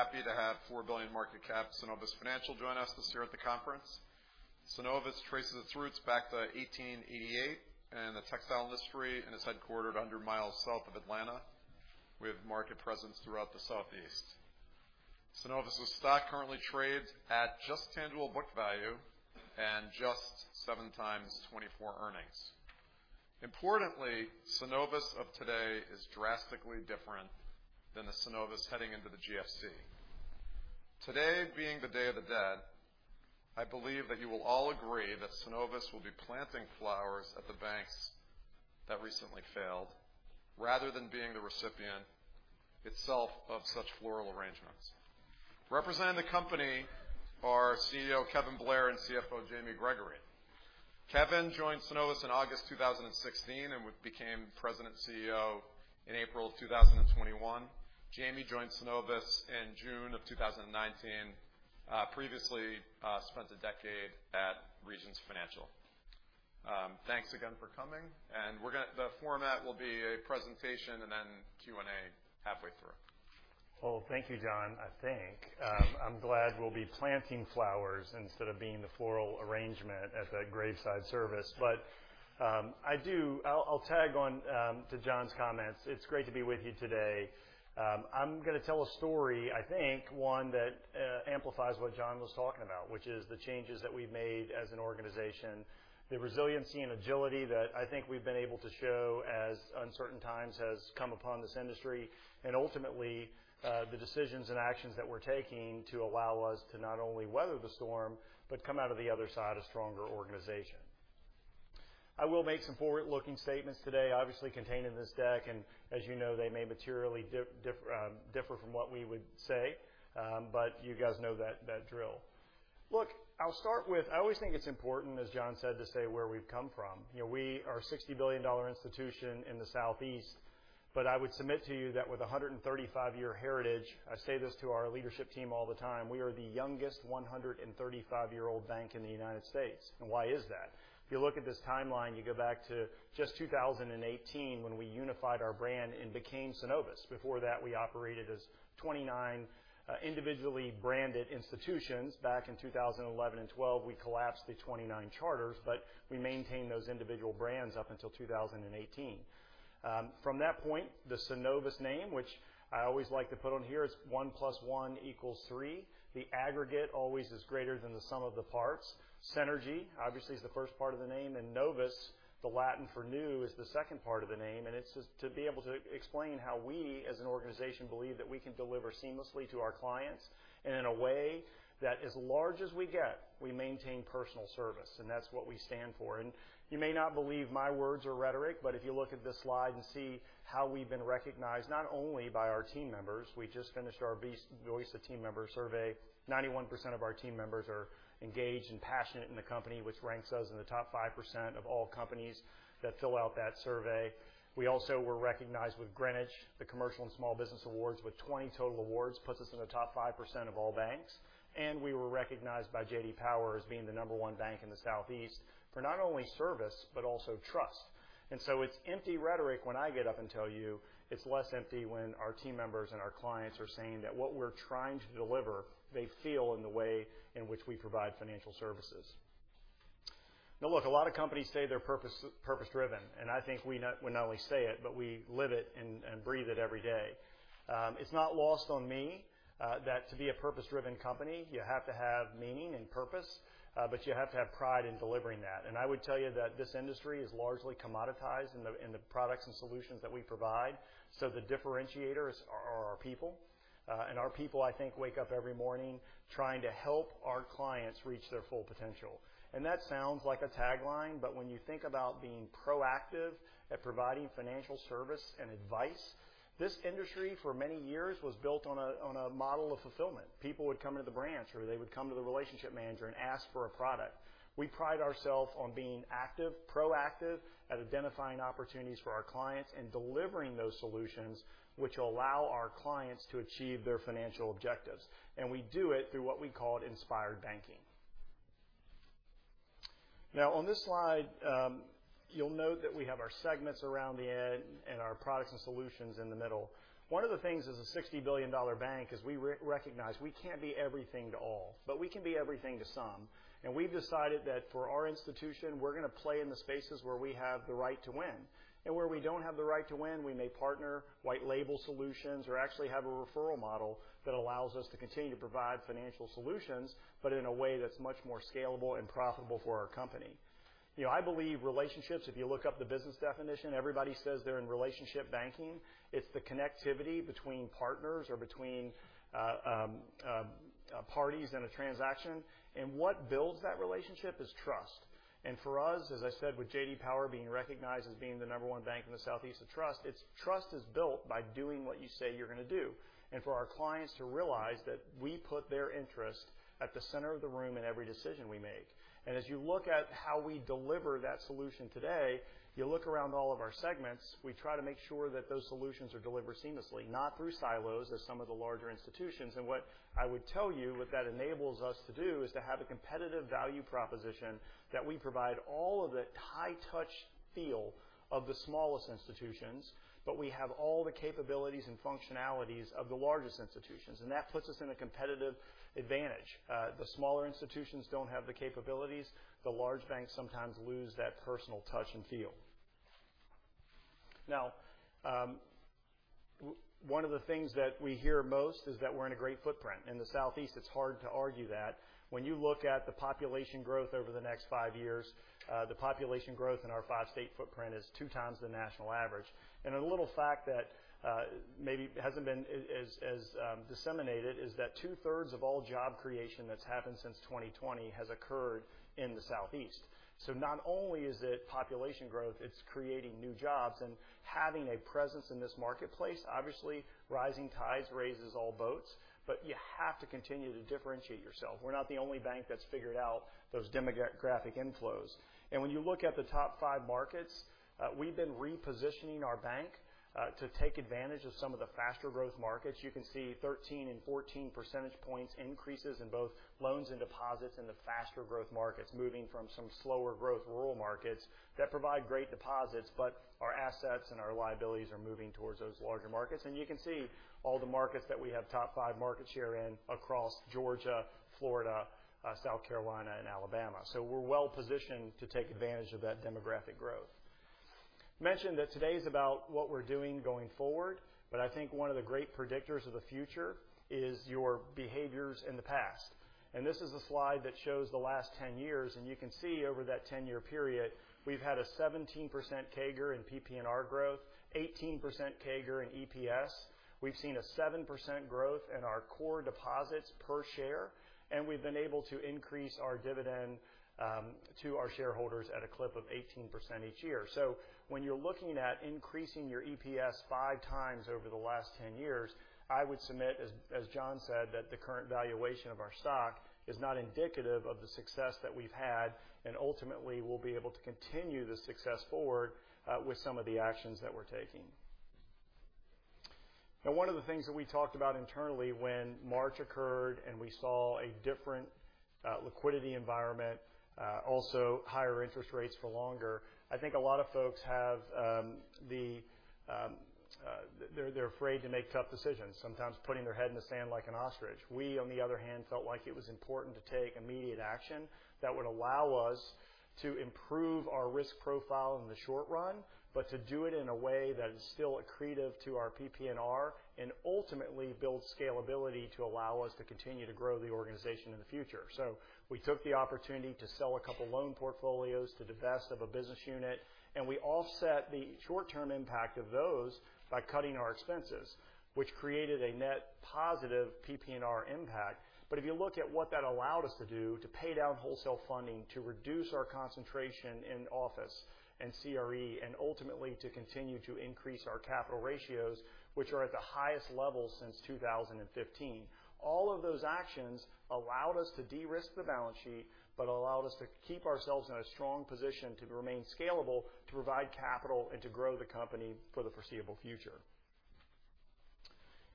Perfect. Good afternoon. We are very happy to have $4 billion market cap Synovus Financial join us this year at the conference. Synovus traces its roots back to 1888 in the textile industry, and is headquartered 100 miles south of Atlanta. We have market presence throughout the Southeast. Synovus' stock currently trades at just tangible book value and just 7x 2024 earnings. Importantly, Synovus of today is drastically different than the Synovus heading into the GFC. Today, being the Day of the Dead, I believe that you will all agree that Synovus will be planting flowers at the banks that recently failed, rather than being the recipient itself of such floral arrangements. Representing the company are CEO Kevin Blair and CFO Jamie Gregory. Kevin joined Synovus in August 2016, and became president and CEO in April 2021. Jamie joined Synovus in June 2019, previously, spent a decade at Regions Financial. Thanks again for coming, and we're gonna—the format will be a presentation and then Q&A halfway through. Well, thank you, John, I think. I'm glad we'll be planting flowers instead of being the floral arrangement at the graveside service. But, I'll tag on to John's comments. It's great to be with you today. I'm going to tell a story, I think, one that amplifies what John was talking about, which is the changes that we've made as an organization, the resiliency and agility that I think we've been able to show as uncertain times has come upon this industry, and ultimately, the decisions and actions that we're taking to allow us to not only weather the storm, but come out of the other side a stronger organization. I will make some forward-looking statements today, obviously, contained in this deck, and as you know, they may materially differ from what we would say, but you guys know that, that drill. Look, I'll start with, I always think it's important, as John said, to say where we've come from. You know, we are a $60 billion institution in the Southeast, but I would submit to you that with a 135-year heritage, I say this to our leadership team all the time, we are the youngest 135-year-old bank in the United States. And why is that? If you look at this timeline, you go back to just 2018, when we unified our brand and became Synovus. Before that, we operated as 29 individually branded institutions. Back in 2011 and 2012, we collapsed to 29 charters, but we maintained those individual brands up until 2018. From that point, the Synovus name, which I always like to put on here, is 1 + 1 = 3. The aggregate always is greater than the sum of the parts. Synergy, obviously, is the first part of the name, and novus, the Latin for new, is the second part of the name, and it's just to be able to explain how we, as an organization, believe that we can deliver seamlessly to our clients and in a way that as large as we get, we maintain personal service, and that's what we stand for. You may not believe my words are rhetoric, but if you look at this slide and see how we've been recognized, not only by our team members. We just finished our Voice of Team Member survey. 91% of our team members are engaged and passionate in the company, which ranks us in the top 5% of all companies that fill out that survey. We also were recognized with Greenwich, the Commercial and Small Business Awards, with 20 total awards, puts us in the top 5% of all banks. We were recognized by J.D. Power as being the number one bank in the Southeast for not only service, but also trust. So it's empty rhetoric when I get up and tell you it's less empty when our team members and our clients are saying that what we're trying to deliver, they feel in the way in which we provide financial services. Now, look, a lot of companies say they're purpose-driven, and I think we not only say it, but we live it and breathe it every day. It's not lost on me that to be a purpose-driven company, you have to have meaning and purpose, but you have to have pride in delivering that. I would tell you that this industry is largely commoditized in the products and solutions that we provide, so the differentiators are our people. And our people, I think, wake up every morning trying to help our clients reach their full potential. That sounds like a tagline, but when you think about being proactive at providing financial service and advice, this industry, for many years, was built on a model of fulfillment. People would come into the branch or they would come to the relationship manager and ask for a product. We pride ourselves on being active, proactive at identifying opportunities for our clients and delivering those solutions which allow our clients to achieve their financial objectives. And we do it through what we call inspired banking. Now, on this slide, you'll note that we have our segments around the edge and our products and solutions in the middle. One of the things as a $60 billion bank is we recognize we can't be everything to all, but we can be everything to some. We've decided that for our institution, we're going to play in the spaces where we have the right to win. Where we don't have the right to win, we may partner white label solutions or actually have a referral model that allows us to continue to provide financial solutions, but in a way that's much more scalable and profitable for our company. You know, I believe relationships, if you look up the business definition, everybody says they're in relationship banking. It's the connectivity between partners or between parties in a transaction. What builds that relationship is trust. For us, as I said, with J.D. Power being recognized as being the number one bank in the Southeast for trust, it's trust is built by doing what you say you're going to do. For our clients to realize that we put their interest at the center of the room in every decision we make. As you look at how we deliver that solution today, you look around all of our segments, we try to make sure that those solutions are delivered seamlessly, not through silos, as some of the larger institutions. What I would tell you, what that enables us to do is to have a competitive value proposition that we provide all of the high-touch feel of the smallest institutions, but we have all the capabilities and functionalities of the largest institutions, and that puts us in a competitive advantage. The smaller institutions don't have the capabilities, the large banks sometimes lose that personal touch and feel... Now, one of the things that we hear most is that we're in a great footprint. In the Southeast, it's hard to argue that. When you look at the population growth over the next five years, the population growth in our five-state footprint is two times the national average. And a little fact that maybe hasn't been as disseminated is that two-thirds of all job creation that's happened since 2020 has occurred in the Southeast. So not only is it population growth, it's creating new jobs and having a presence in this marketplace. Obviously, rising tides raises all boats, but you have to continue to differentiate yourself. We're not the only bank that's figured out those demographic inflows. And when you look at the top five markets, we've been repositioning our bank to take advantage of some of the faster growth markets. You can see 13 and 14 percentage points increases in both loans and deposits in the faster growth markets, moving from some slower growth rural markets that provide great deposits, but our assets and our liabilities are moving towards those larger markets. And you can see all the markets that we have top five markets here in across Georgia, Florida, South Carolina, and Alabama. So we're well-positioned to take advantage of that demographic growth. Mentioned that today is about what we're doing going forward, but I think one of the great predictors of the future is your behaviors in the past. And this is a slide that shows the last 10 years, and you can see over that 10-year period, we've had a 17% CAGR in PPNR growth, 18% CAGR in EPS. We've seen a 7% growth in our core deposits per share, and we've been able to increase our dividend to our shareholders at a clip of 18% each year. So when you're looking at increasing your EPS 5x over the last 10 years, I would submit, as John said, that the current valuation of our stock is not indicative of the success that we've had, and ultimately, we'll be able to continue the success forward with some of the actions that we're taking. Now, one of the things that we talked about internally when March occurred and we saw a different liquidity environment, also higher interest rates for longer, I think a lot of folks, they're afraid to make tough decisions, sometimes putting their head in the sand like an ostrich. We, on the other hand, felt like it was important to take immediate action that would allow us to improve our risk profile in the short run, but to do it in a way that is still accretive to our PPNR and ultimately build scalability to allow us to continue to grow the organization in the future. So we took the opportunity to sell a couple loan portfolios to divest of a business unit, and we offset the short-term impact of those by cutting our expenses, which created a net positive PPNR impact. But if you look at what that allowed us to do to pay down wholesale funding, to reduce our concentration in office and CRE, and ultimately to continue to increase our capital ratios, which are at the highest level since 2015. All of those actions allowed us to de-risk the balance sheet, but allowed us to keep ourselves in a strong position to remain scalable, to provide capital, and to grow the company for the foreseeable future.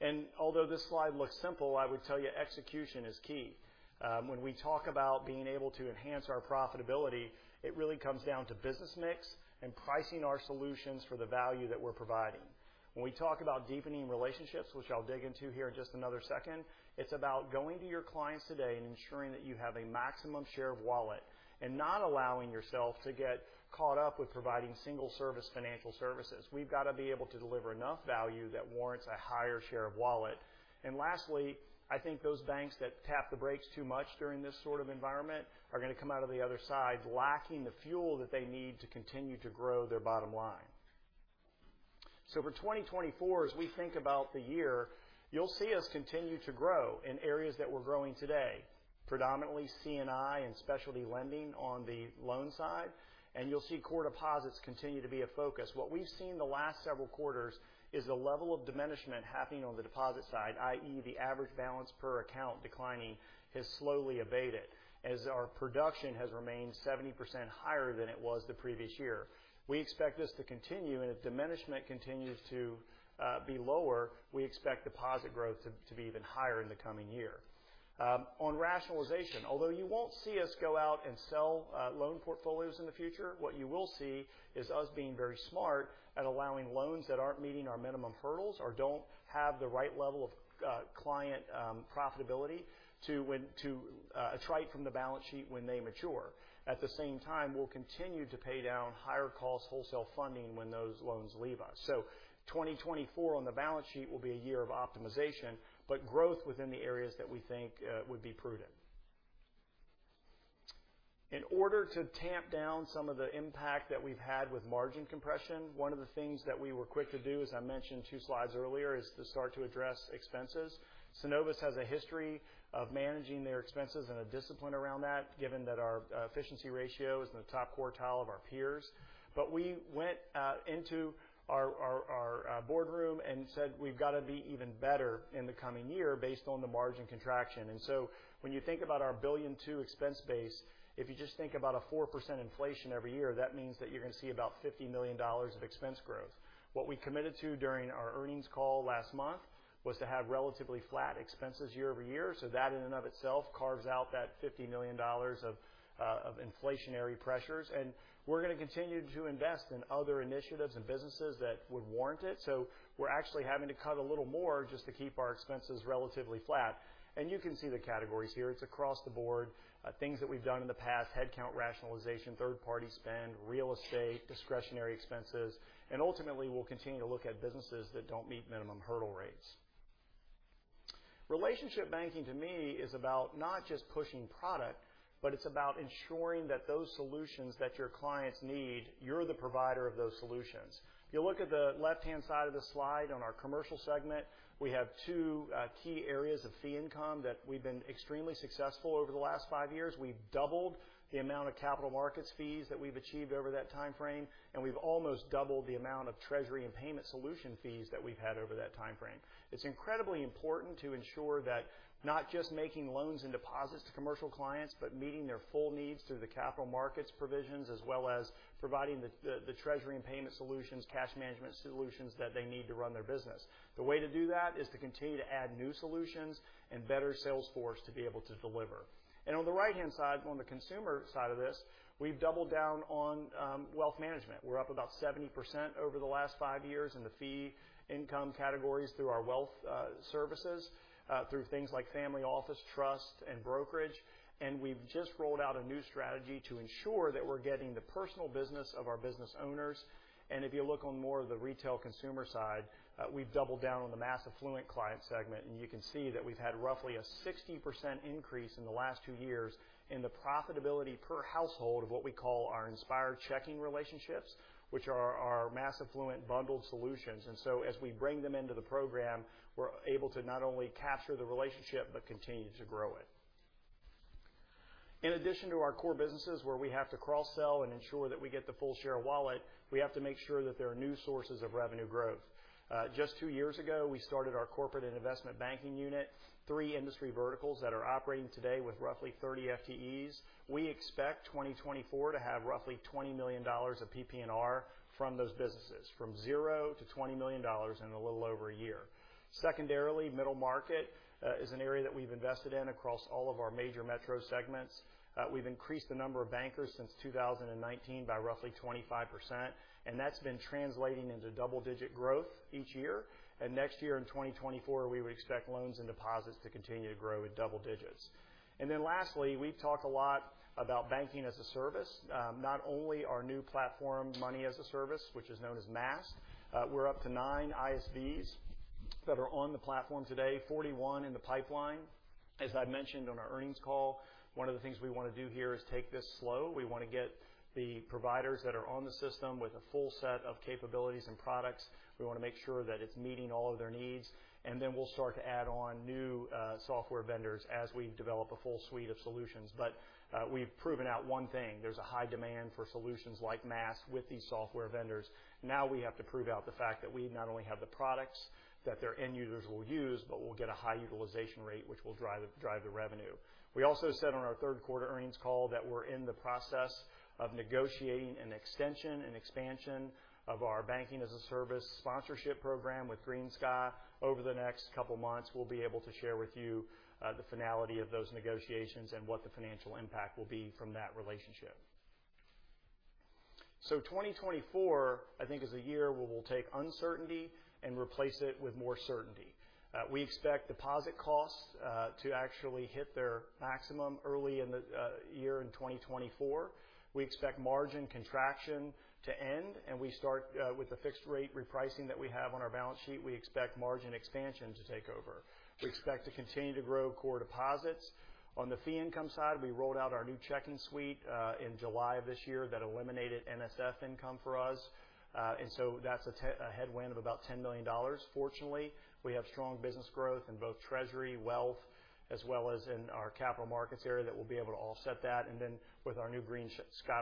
And although this slide looks simple, I would tell you execution is key. When we talk about being able to enhance our profitability, it really comes down to business mix and pricing our solutions for the value that we're providing. When we talk about deepening relationships, which I'll dig into here in just another second, it's about going to your clients today and ensuring that you have a maximum share of wallet and not allowing yourself to get caught up with providing single-service financial services. We've got to be able to deliver enough value that warrants a higher share of wallet. Lastly, I think those banks that tap the brakes too much during this sort of environment are going to come out of the other side, lacking the fuel that they need to continue to grow their bottom line. So for 2024, as we think about the year, you'll see us continue to grow in areas that we're growing today, predominantly C&I and specialty lending on the loan side, and you'll see core deposits continue to be a focus. What we've seen the last several quarters is the level of diminishment happening on the deposit side, i.e., the average balance per account declining, has slowly abated, as our production has remained 70% higher than it was the previous year. We expect this to continue, and if diminishment continues to be lower, we expect deposit growth to be even higher in the coming year. On rationalization, although you won't see us go out and sell loan portfolios in the future, what you will see is us being very smart at allowing loans that aren't meeting our minimum hurdles or don't have the right level of client profitability to attrite from the balance sheet when they mature. At the same time, we'll continue to pay down higher-cost wholesale funding when those loans leave us. So 2024 on the balance sheet will be a year of optimization, but growth within the areas that we think would be prudent. In order to tamp down some of the impact that we've had with margin compression, one of the things that we were quick to do, as I mentioned two slides earlier, is to start to address expenses. Synovus has a history of managing their expenses and a discipline around that, given that our efficiency ratio is in the top quartile of our peers. But we went into our boardroom and said, "We've got to be even better in the coming year based on the margin contraction." And so when you think about our $1.2 billion expense base, if you just think about 4% inflation every year, that means that you're going to see about $50 million of expense growth. What we committed to during our earnings call last month was to have relatively flat expenses year-over-year, so that in and of itself carves out that $50 million of inflationary pressures. And we're going to continue to invest in other initiatives and businesses that would warrant it. So we're actually having to cut a little more just to keep our expenses relatively flat. You can see the categories here. It's across the board, things that we've done in the past: headcount rationalization, third-party spend, real estate, discretionary expenses, and ultimately, we'll continue to look at businesses that don't meet minimum hurdle rates. Relationship banking to me is about not just pushing product, but it's about ensuring that those solutions that your clients need, you're the provider of those solutions. If you look at the left-hand side of the slide on our Commercial segment, we have two key areas of fee income that we've been extremely successful over the last five years. We've doubled the amount of Capital Markets fees that we've achieved over that time frame, and we've almost doubled the amount of Treasury and Payment Solution fees that we've had over that time frame. It's incredibly important to ensure that not just making loans and deposits to commercial clients, but meeting their full needs through the Capital Markets provisions as well as providing the Treasury and Payment Solutions, Cash Management solutions that they need to run their business. The way to do that is to continue to add new solutions and better sales force to be able to deliver. And on the right-hand side, on the Consumer side of this, we've doubled down on Wealth Management. We're up about 70% over the last five years in the Fee Income categories through our Wealth Services through things like Family Office, Trust, and Brokerage. We've just rolled out a new strategy to ensure that we're getting the personal business of our business owners. If you look on more of the retail consumer side, we've doubled down on the Mass Affluent client segment, and you can see that we've had roughly a 60% increase in the last two years in the profitability per household of what we call our Inspired Checking relationships, which are our Mass Affluent bundled solutions. So as we bring them into the program, we're able to not only capture the relationship but continue to grow it. In addition to our core businesses, where we have to cross-sell and ensure that we get the full share of wallet, we have to make sure that there are new sources of revenue growth. Just two years ago, we started our corporate and investment banking unit, three industry verticals that are operating today with roughly 30 FTEs. We expect 2024 to have roughly $20 million of PPNR from those businesses, from $0 to $20 million in a little over a year. Secondarily, middle market is an area that we've invested in across all of our Major Metro segments. We've increased the number of bankers since 2019 by roughly 25%, and that's been translating into double-digit growth each year. And next year, in 2024, we would expect loans and deposits to continue to grow at double digits. And then lastly, we've talked a lot about Banking as a Service, not only our new platform, Money as a Service, which is known as MaaS. We're up to 9 ISVs that are on the platform today, 41 in the pipeline. As I mentioned on our earnings call, one of the things we wanna do here is take this slow. We wanna get the providers that are on the system with a full set of capabilities and products. We wanna make sure that it's meeting all of their needs, and then we'll start to add on new, software vendors as we develop a full suite of solutions. But, we've proven out one thing: There's a high demand for solutions like MaaS with these software vendors. Now we have to prove out the fact that we not only have the products that their end users will use, but we'll get a high utilization rate, which will drive the, drive the revenue. We also said on our third quarter earnings call that we're in the process of negotiating an extension and expansion of our Banking as a Service sponsorship program with GreenSky. Over the next couple of months, we'll be able to share with you, the finality of those negotiations and what the financial impact will be from that relationship. So 2024, I think, is a year where we'll take uncertainty and replace it with more certainty. We expect deposit costs, to actually hit their maximum early in the, year in 2024. We expect margin contraction to end, and we start, with the fixed rate repricing that we have on our balance sheet, we expect margin expansion to take over. We expect to continue to grow core deposits. On the fee income side, we rolled out our new checking suite in July of this year that eliminated NSF income for us. And so that's a headwind of about $10 million. Fortunately, we have strong business growth in both treasury, wealth, as well as in our capital markets area that will be able to offset that. And then with our new GreenSky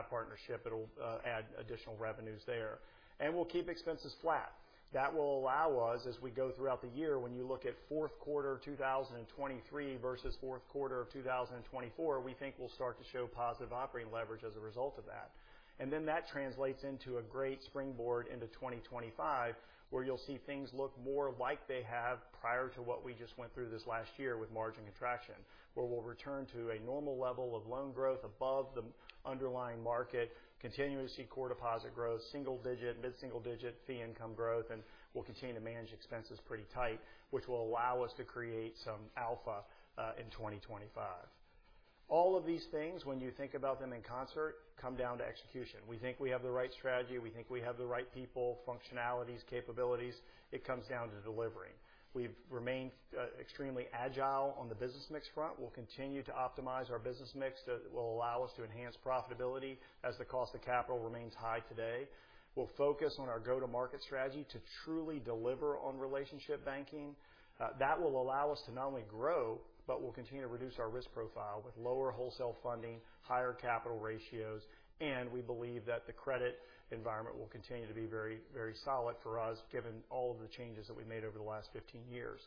partnership, it'll add additional revenues there. And we'll keep expenses flat. That will allow us, as we go throughout the year, when you look at fourth quarter 2023 versus fourth quarter of 2024, we think we'll start to show positive operating leverage as a result of that. And then that translates into a great springboard into 2025, where you'll see things look more like they have prior to what we just went through this last year with Margin Contraction, where we'll return to a normal level of loan growth above the underlying market, continue to see Core Deposit growth, single-digit, mid-single-digit, Fee Income growth, and we'll continue to manage expenses pretty tight, which will allow us to create some alpha in 2025. All of these things, when you think about them in concert, come down to execution. We think we have the right strategy; we think we have the right people, functionalities, capabilities. It comes down to delivering. We've remained extremely agile on the Business Mix front. We'll continue to optimize our business mix that will allow us to enhance profitability as the cost of capital remains high today. We'll focus on our go-to-market strategy to truly deliver on relationship banking. That will allow us to not only grow but will continue to reduce our risk profile with lower wholesale funding, higher capital ratios, and we believe that the credit environment will continue to be very, very solid for us, given all of the changes that we made over the last 15 years.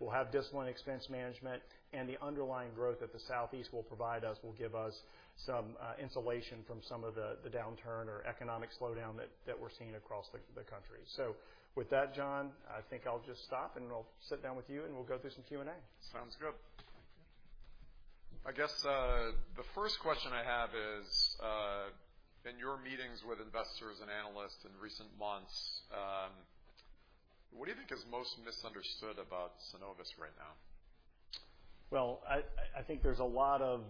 We'll have discipline, expense management, and the underlying growth that the Southeast will provide us will give us some insulation from some of the downturn or economic slowdown that we're seeing across the country. So with that, John, I think I'll just stop, and I'll sit down with you, and we'll go through some Q&A. Sounds good. I guess, the first question I have is, in your meetings with investors and analysts in recent months, what do you think is most misunderstood about Synovus right now? Well, I, I think there's a lot of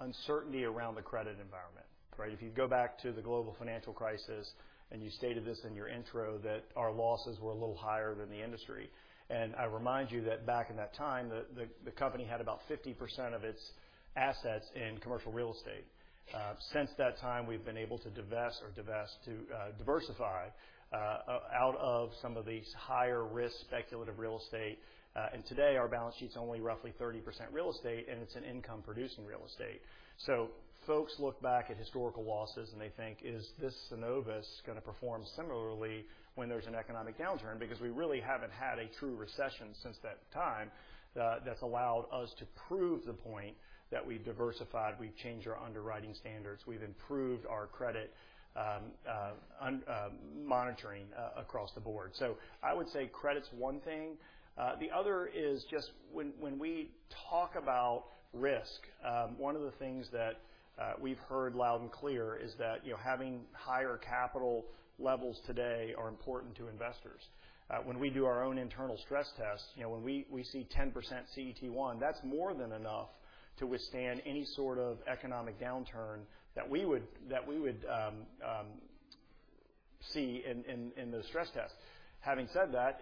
uncertainty around the credit environment, right? If you go back to the Global Financial Crisis, and you stated this in your intro, that our losses were a little higher than the industry. And I remind you that back in that time, the company had about 50% of its assets in Commercial Real Estate. Since that time, we've been able to divest or divest to, diversify out of some of these higher risk speculative real estate. And today, our balance sheet's only roughly 30% real estate, and it's an income-producing real estate. So folks look back at historical losses, and they think, "Is this Synovus going to perform similarly when there's an economic downturn?" Because we really haven't had a true recession since that time, that's allowed us to prove the point that we've diversified, we've changed our underwriting standards, we've improved our credit monitoring across the board. So I would say credit's one thing. The other is just when we talk about risk, one of the things that we've heard loud and clear is that, you know, having higher capital levels today are important to investors. When we do our own internal stress tests, you know, when we see 10% CET1, that's more than enough to withstand any sort of economic downturn that we would see in the stress test. Having said that,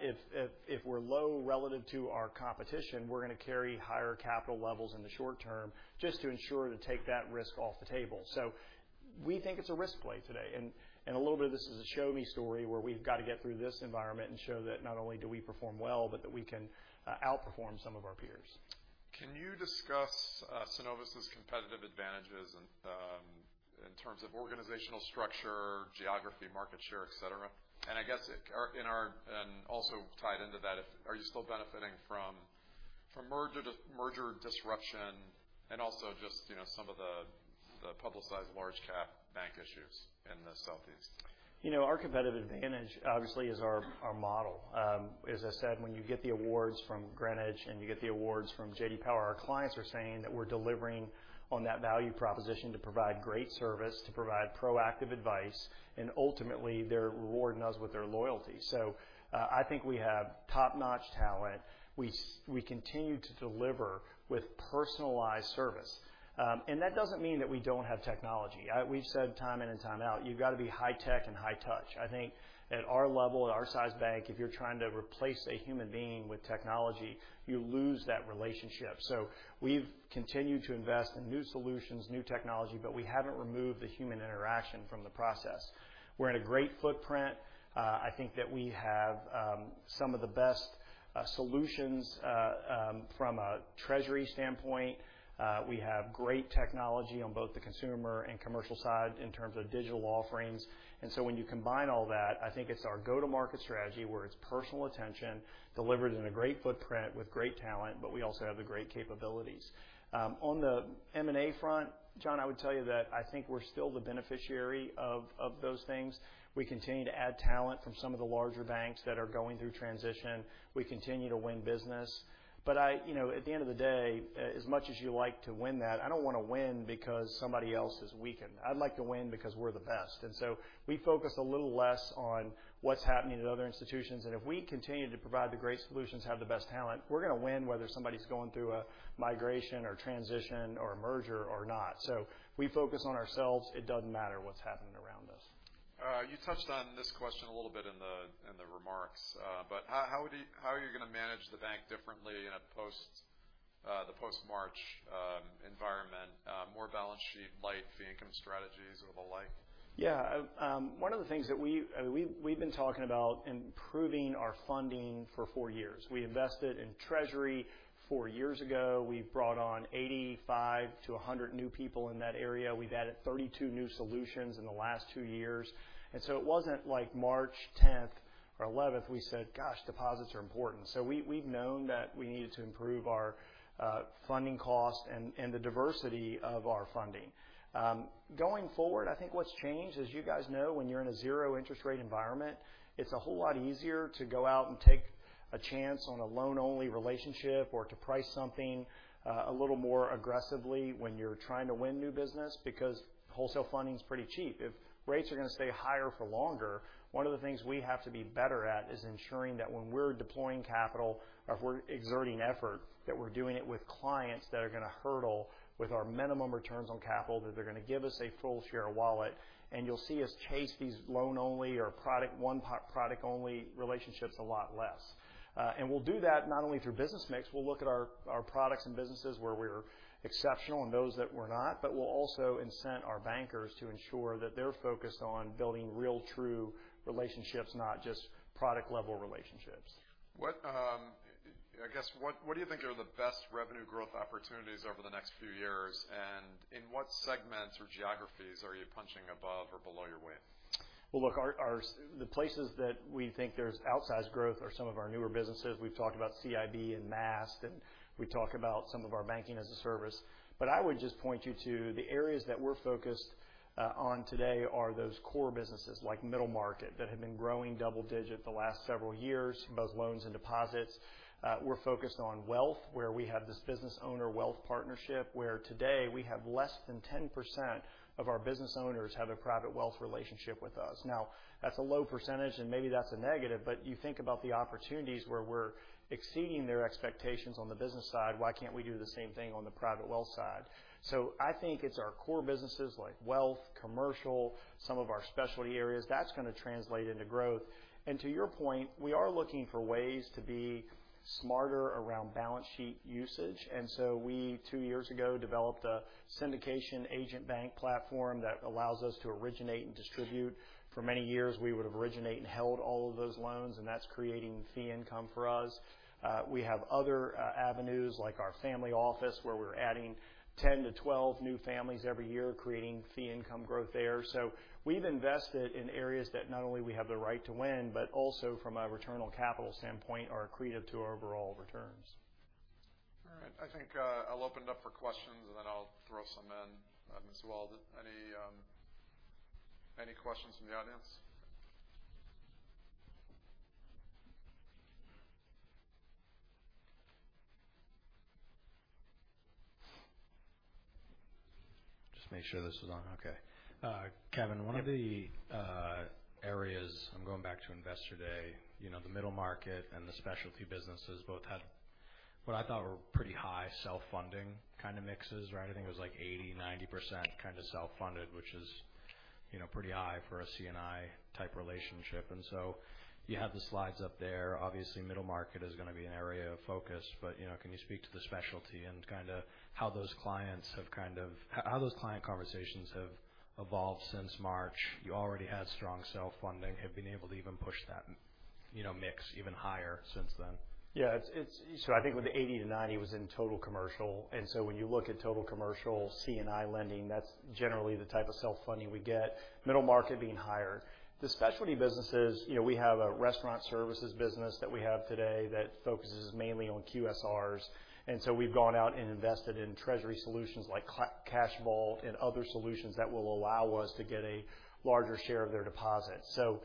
if we're low relative to our competition, we're going to carry higher capital levels in the short term just to ensure to take that risk off the table. So we think it's a risk play today, and a little bit of this is a show-me story, where we've got to get through this environment and show that not only do we perform well, but that we can outperform some of our peers. Can you discuss Synovus's competitive advantages in terms of organizational structure, geography, market share, et cetera? And I guess, and also tied into that, are you still benefiting from merger disruption and also just, you know, some of the publicized large cap bank issues in the Southeast? You know, our competitive advantage, obviously, is our, our model. As I said, when you get the awards from Greenwich and you get the awards from J.D. Power, our clients are saying that we're delivering on that value proposition to provide great service, to provide proactive advice, and ultimately, they're rewarding us with their loyalty. So, I think we have top-notch talent. We continue to deliver with personalized service. And that doesn't mean that we don't have technology. We've said time in and time out, "You've got to be high tech and high touch." I think at our level, at our size bank, if you're trying to replace a human being with technology, you lose that relationship. So we've continued to invest in new solutions, new technology, but we haven't removed the human interaction from the process. We're in a great footprint. I think that we have some of the best solutions from a treasury standpoint. We have great technology on both the consumer and commercial side in terms of digital offerings. And so when you combine all that, I think it's our go-to-market strategy, where it's personal attention delivered in a great footprint with great talent, but we also have the great capabilities. On the M&A front, John, I would tell you that I think we're still the beneficiary of those things. We continue to add talent from some of the larger banks that are going through transition. We continue to win business. But you know, at the end of the day, as much as you like to win that, I don't want to win because somebody else is weakened. I'd like to win because we're the best. And so we focus a little less on what's happening at other institutions, and if we continue to provide the great solutions, have the best talent, we're going to win whether somebody's going through a migration or transition or a merger or not. So we focus on ourselves. It doesn't matter what's happening around us. You touched on this question a little bit in the remarks. But how are you going to manage the bank differently in a post, the post-March environment, more balance sheet light, fee income strategies and the like? Yeah. One of the things that we... We've been talking about improving our funding for four years. We invested in treasury four years ago. We brought on 85-100 new people in that area. We've added 32 new solutions in the last two years. And so it wasn't like March 10th or 11th, we said, "Gosh, deposits are important." So we've known that we needed to improve our funding costs and the diversity of our funding. Going forward, I think what's changed, as you guys know, when you're in a zero interest rate environment, it's a whole lot easier to go out and take a chance on a loan-only relationship or to price something a little more aggressively when you're trying to win new business, because wholesale funding is pretty cheap. If rates are going to stay higher for longer, one of the things we have to be better at is ensuring that when we're deploying capital or if we're exerting effort, that we're doing it with clients that are going to hurdle with our minimum returns on capital, that they're going to give us a full share of wallet. You'll see us chase these loan-only or product, one product-only relationships a lot less. We'll do that not only through business mix. We'll look at our products and businesses where we're exceptional and those that we're not, but we'll also incent our bankers to ensure that they're focused on building real, true relationships, not just product-level relationships. I guess, what do you think are the best revenue growth opportunities over the next few years, and in what segments or geographies are you punching above or below your weight? Well, look, the places that we think there's outsized growth are some of our newer businesses. We've talked about CIB and MaaS, and we talk about some of our Banking as a Service. But I would just point you to the areas that we're focused on today are those core businesses, like Middle Market, that have been growing double-digit the last several years, both loans and deposits. We're focused on Wealth, where we have this Business Owner Wealth Partnership, where today we have less than 10% of our business owners have a Private Wealth relationship with us. Now, that's a low percentage, and maybe that's a negative, but you think about the opportunities where we're exceeding their expectations on the business side, why can't we do the same thing on the private wealth side? I think it's our core businesses like Wealth, Commercial, some of our Specialty areas, that's going to translate into growth. To your point, we are looking for ways to be smarter around balance sheet usage. So we, two years ago, developed a Syndication Agent Bank Platform that allows us to originate and distribute. For many years, we would originate and held all of those loans, and that's creating Fee Income for us. We have other avenues, like our Family Office, where we're adding 10-12 new families every year, creating Fee Income growth there. So we've invested in areas that not only we have the right to win, but also from a return on capital standpoint, are accretive to our overall returns. All right. I think, I'll open it up for questions, and then I'll throw some in, as well. Any, any questions from the audience? Just make sure this is on. Okay. Kevin, one of the areas, I'm going back to Investor Day, you know, the Middle Market and the Specialty businesses both had what I thought were pretty high self-funding kind of mixes, right? I think it was like 80%-90% kind of self-funded, which is, you know, pretty high for a C&I type relationship. And so you have the slides up there. Obviously, Middle Market is going to be an area of focus, but, you know, can you speak to the Specialty and kind of how those clients have kind of how those client conversations have evolved since March? You already had strong self-funding. Have you been able to even push that, you know, mix even higher since then? Yeah, it's. So I think with the 80-90 was in total commercial, and so when you look at total commercial C&I lending, that's generally the type of self-funding we get, middle market being higher. The Specialty businesses, you know, we have a restaurant services business that we have today that focuses mainly on QSRs, and so we've gone out and invested in Treasury solutions like Cash vault and other solutions that will allow us to get a larger share of their deposits. So,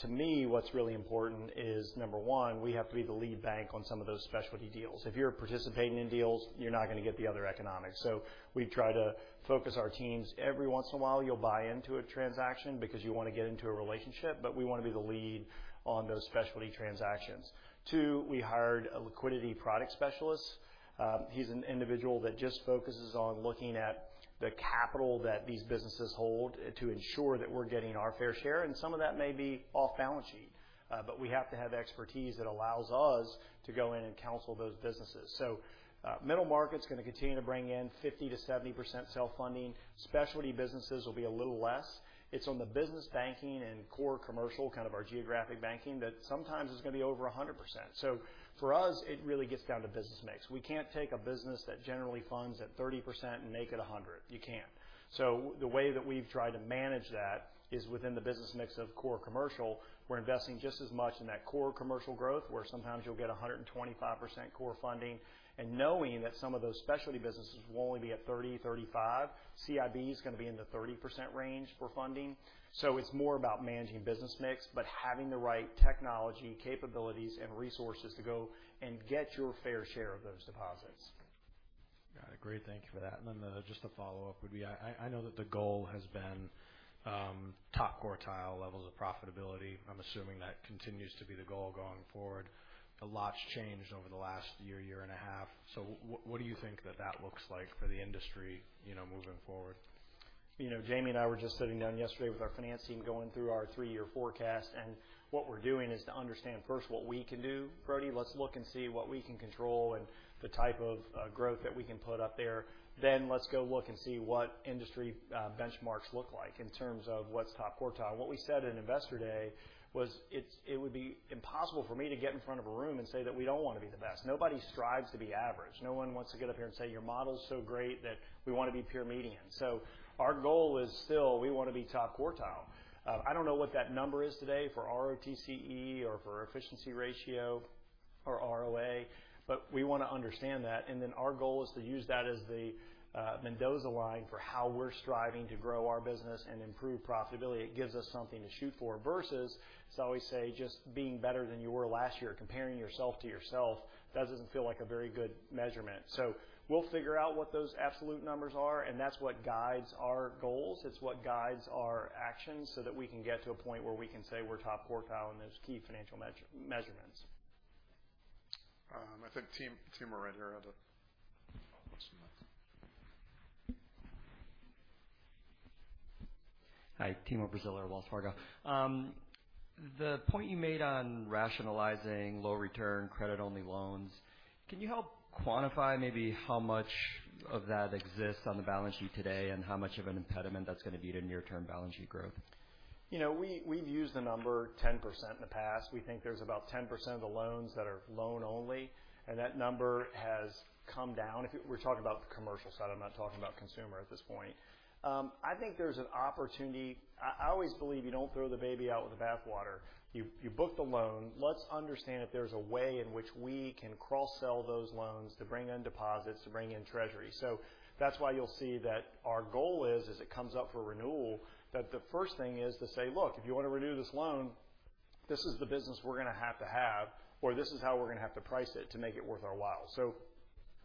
to me, what's really important is, number one, we have to be the lead bank on some of those Specialty deals. If you're participating in deals, you're not going to get the other economics. So we try to focus our teams. Every once in a while, you'll buy into a transaction because you want to get into a relationship, but we want to be the lead on those specialty transactions. Two, we hired a liquidity product specialist. He's an individual that just focuses on looking at the capital that these businesses hold to ensure that we're getting our fair share, and some of that may be off balance sheet, but we have to have expertise that allows us to go in and counsel those businesses. So, Middle Market's going to continue to bring in 50%-70% self-funding. Specialty businesses will be a little less. It's on the Business Banking and Core Commercial, kind of our Geographic Banking, that sometimes it's going to be over 100%. So for us, it really gets down to Business Mix. We can't take a business that generally funds at 30% and make it 100%. You can't. So the way that we've tried to manage that is within the Business Mix of Core Commercial, we're investing just as much in that Core Commercial growth, where sometimes you'll get 125% core funding, and knowing that some of those Specialty businesses will only be at 30%-35%. CIB is going to be in the 30% range for funding. So it's more about managing Business Mix, but having the right technology, capabilities, and resources to go and get your fair share of those deposits. Got it. Great. Thank you for that. And then just a follow-up would be, I know that the goal has been top quartile levels of profitability. I'm assuming that continues to be the goal going forward. A lot's changed over the last year, year and a half, so what do you think that looks like for the industry, you know, moving forward? You know, Jamie and I were just sitting down yesterday with our finance team, going through our three-year forecast, and what we're doing is to understand first what we can do. Brody, let's look and see what we can control and the type of growth that we can put up there. Then, let's go look and see what industry benchmarks look like in terms of what's top quartile. What we said in Investor Day was it's it would be impossible for me to get in front of a room and say that we don't want to be the best. Nobody strives to be average. No one wants to get up here and say, "Your model is so great that we want to be pure median." So our goal is still, we want to be top quartile. I don't know what that number is today for ROTCE or for efficiency ratio or ROA, but we want to understand that. And then our goal is to use that as the Mendoza line for how we're striving to grow our business and improve profitability. It gives us something to shoot for versus, as I always say, just being better than you were last year. Comparing yourself to yourself, that doesn't feel like a very good measurement. So we'll figure out what those absolute numbers are, and that's what guides our goals. It's what guides our actions, so that we can get to a point where we can say we're top quartile in those key financial measurements. I think Timur, Timur right here had a question. Hi, Timur Braziler, Wells Fargo. The point you made on rationalizing low-return, credit-only loans, can you help quantify maybe how much of that exists on the balance sheet today, and how much of an impediment that's going to be to near-term balance sheet growth? You know, we, we've used the number 10% in the past. We think there's about 10% of the loans that are loan only, and that number has come down. If we're talking about the commercial side, I'm not talking about consumer at this point. I think there's an opportunity... I, I always believe you don't throw the baby out with the bathwater. You, you book the loan. Let's understand if there's a way in which we can cross-sell those loans to bring in deposits, to bring in Treasury. So that's why you'll see that our goal is, as it comes up for renewal, that the first thing is to say, "Look, if you want to renew this loan, this is the business we're going to have to have, or this is how we're going to have to price it to make it worth our while." So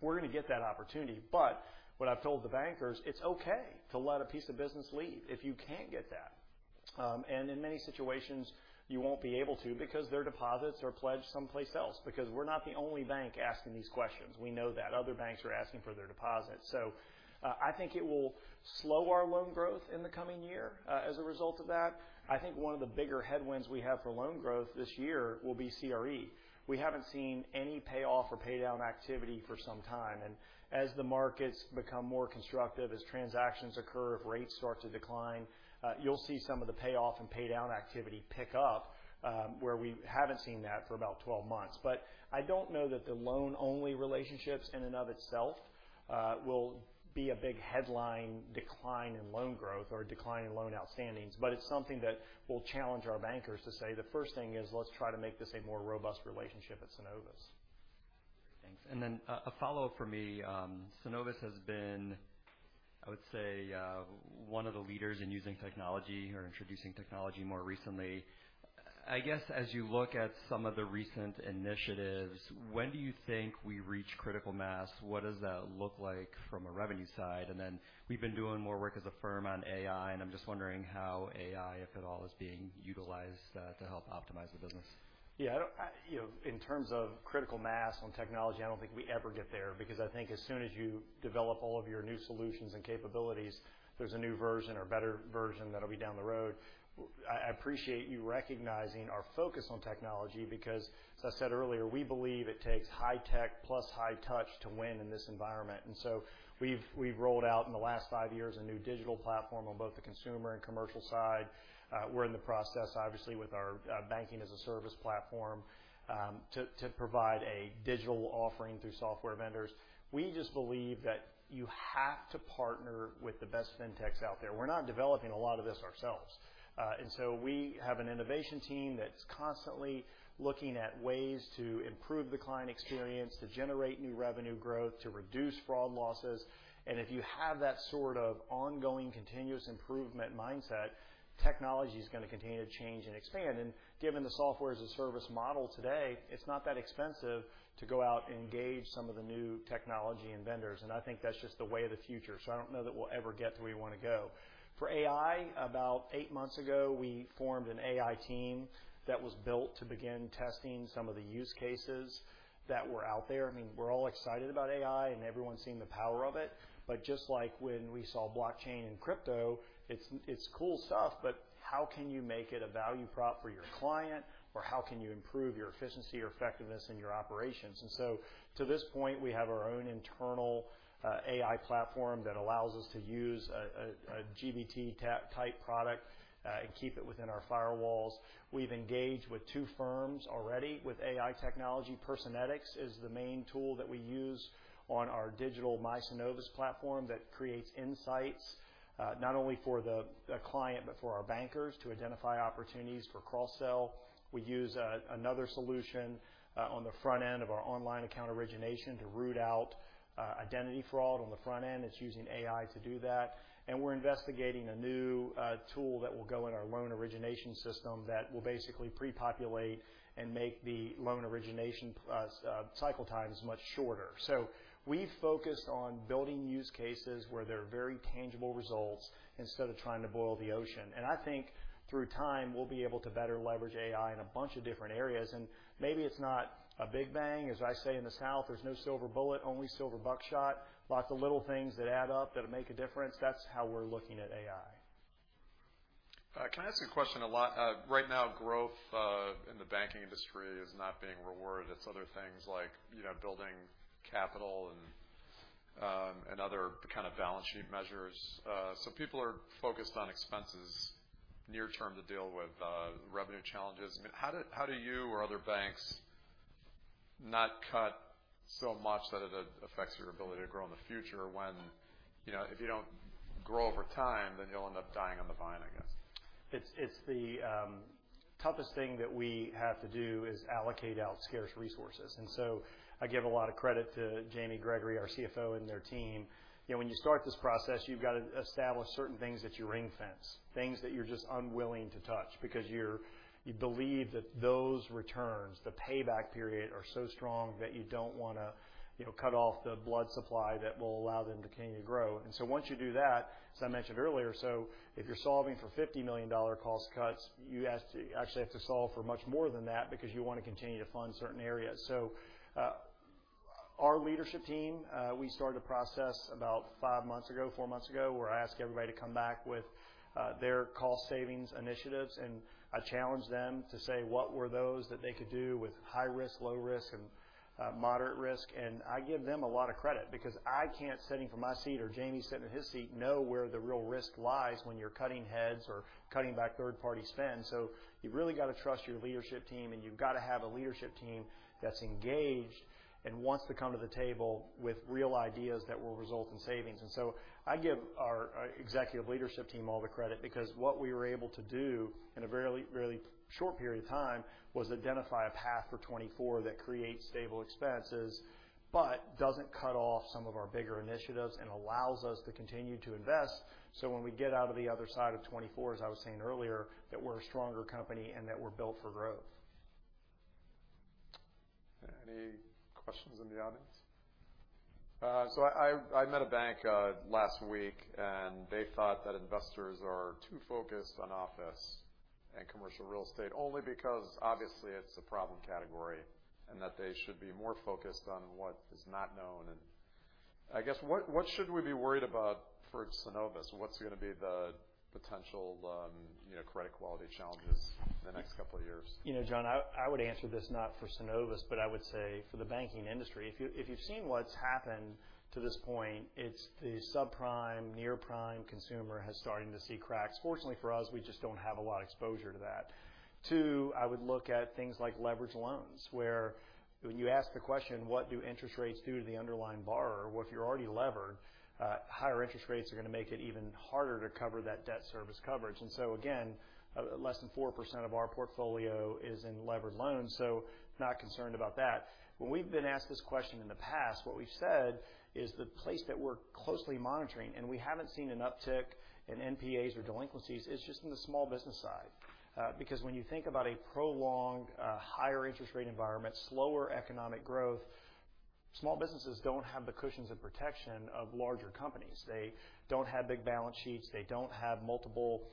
we're going to get that opportunity. But what I've told the bankers, it's okay to let a piece of business leave if you can't get that.... and in many situations, you won't be able to because their deposits are pledged someplace else, because we're not the only bank asking these questions. We know that. Other banks are asking for their deposits. So, I think it will slow our loan growth in the coming year, as a result of that. I think one of the bigger headwinds we have for loan growth this year will be CRE. We haven't seen any payoff or paydown activity for some time, and as the markets become more constructive, as transactions occur, if rates start to decline, you'll see some of the payoff and paydown activity pick up, where we haven't seen that for about 12 months. But I don't know that the loan-only relationships in and of itself will be a big headline decline in loan growth or a decline in loan outstandings, but it's something that will challenge our bankers to say, "The first thing is let's try to make this a more robust relationship at Synovus. Thanks. And then, a follow-up for me. Synovus has been, I would say, one of the leaders in using technology or introducing technology more recently. I guess, as you look at some of the recent initiatives, when do you think we reach critical mass? What does that look like from a revenue side? And then we've been doing more work as a firm on AI, and I'm just wondering how AI, if at all, is being utilized, to help optimize the business. Yeah, I don't. You know, in terms of critical mass on technology, I don't think we ever get there because I think as soon as you develop all of your new solutions and capabilities, there's a new version or better version that'll be down the road. I appreciate you recognizing our focus on technology because, as I said earlier, we believe it takes high tech plus high touch to win in this environment. And so we've rolled out, in the last five years, a new digital platform on both the consumer and commercial side. We're in the process, obviously, with our Banking as a Service platform to provide a digital offering through software vendors. We just believe that you have to partner with the best fintechs out there. We're not developing a lot of this ourselves. And so we have an innovation team that's constantly looking at ways to improve the client experience, to generate new revenue growth, to reduce fraud losses. And if you have that sort of ongoing, continuous improvement mindset, technology is going to continue to change and expand. And given the Software as a Service model today, it's not that expensive to go out and engage some of the new technology and vendors, and I think that's just the way of the future. So I don't know that we'll ever get to where we want to go. For AI, about eight months ago, we formed an AI team that was built to begin testing some of the use cases that were out there. I mean, we're all excited about AI, and everyone's seen the power of it, but just like when we saw blockchain and crypto, it's cool stuff, but how can you make it a value prop for your client, or how can you improve your efficiency or effectiveness in your operations? To this point, we have our own internal AI platform that allows us to use a GPT-type product and keep it within our firewalls. We've engaged with two firms already with AI technology. Personetics is the main tool that we use on our digital My Synovus platform that creates insights not only for the client but for our bankers to identify opportunities for cross-sell. We use another solution on the front end of our online account origination to root out identity fraud on the front end. It's using AI to do that. And we're investigating a new tool that will go in our loan origination system that will basically pre-populate and make the loan origination cycle times much shorter. So we've focused on building use cases where there are very tangible results instead of trying to boil the ocean. And I think through time, we'll be able to better leverage AI in a bunch of different areas. And maybe it's not a big bang. As I say in the South, "There's no silver bullet, only silver buckshot." Lots of little things that add up, that'll make a difference. That's how we're looking at AI. Can I ask you a question? A lot, right now, growth in the banking industry is not being rewarded. It's other things like, you know, building capital and, and other kind of balance sheet measures. So people are focused on expenses near term to deal with revenue challenges. I mean, how do you or other banks not cut so much that it affects your ability to grow in the future when, you know, if you don't grow over time, then you'll end up dying on the vine, I guess? It's the toughest thing that we have to do is allocate out scarce resources. So I give a lot of credit to Jamie Gregory, our CFO, and their team. You know, when you start this process, you've got to establish certain things that you ring-fence, things that you're just unwilling to touch because you believe that those returns, the payback period, are so strong that you don't want to, you know, cut off the blood supply that will allow them to continue to grow. So once you do that, as I mentioned earlier, if you're solving for $50 million cost cuts, you actually have to solve for much more than that because you want to continue to fund certain areas. So, our leadership team, we started a process about five months ago, four months ago, where I asked everybody to come back with, their cost savings initiatives, and I challenged them to say, what were those that they could do with high risk, low risk, and, moderate risk? I give them a lot of credit because I can't, sitting from my seat, or Jamie sitting in his seat, know where the real risk lies when you're cutting heads or cutting back third-party spend. So you've really got to trust your leadership team, and you've got to have a leadership team that's engaged and wants to come to the table with real ideas that will result in savings. And so I give our executive leadership team all the credit because what we were able to do in a very, really short period of time was identify a path for 2024 that creates stable expenses but doesn't cut off some of our bigger initiatives and allows us to continue to invest, so when we get out of the other side of 2024, as I was saying earlier, that we're a stronger company and that we're built for growth. ...Any questions in the audience? So I met a bank last week, and they thought that investors are too focused on office and commercial real estate, only because obviously it's a problem category, and that they should be more focused on what is not known. And I guess, what, what should we be worried about for Synovus? What's going to be the potential, you know, credit quality challenges in the next couple of years? You know, John, I, I would answer this not for Synovus, but I would say for the banking industry. If you've seen what's happened to this point, it's the subprime, near prime consumer has started to see cracks. Fortunately for us, we just don't have a lot of exposure to that. Two, I would look at things like leveraged loans, where when you ask the question: what do interest rates do to the underlying borrower? Well, if you're already levered, higher interest rates are going to make it even harder to cover that debt service coverage. And so again, less than 4% of our portfolio is in leveraged loans, so not concerned about that. When we've been asked this question in the past, what we've said is the place that we're closely monitoring, and we haven't seen an uptick in NPAs or delinquencies, is just in the small business side. Because when you think about a prolonged higher interest rate environment, slower economic growth, small businesses don't have the cushions and protection of larger companies. They don't have big balance sheets. They don't have multiple...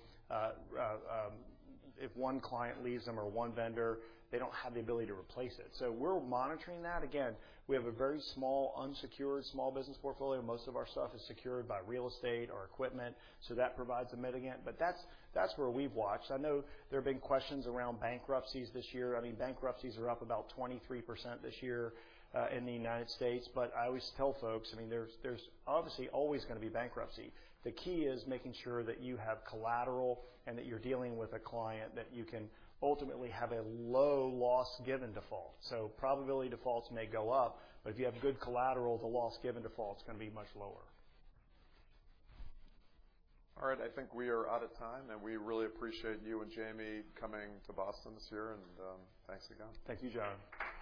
If one client leaves them or one vendor, they don't have the ability to replace it. So we're monitoring that. Again, we have a very small, unsecured small business portfolio. Most of our stuff is secured by real estate or equipment, so that provides a mitigant. But that's where we've watched. I know there have been questions around bankruptcies this year. I mean, bankruptcies are up about 23% this year in the United States. But I always tell folks, I mean, there's, there's obviously always going to be bankruptcy. The key is making sure that you have collateral and that you're dealing with a client that you can ultimately have a low Loss Given Default. So probability defaults may go up, but if you have good collateral, the Loss Given Default is going to be much lower. All right, I think we are out of time, and we really appreciate you and Jamie coming to Boston this year, and, thanks again. Thank you, John.